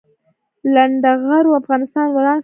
لنډغرو افغانستان وران کړ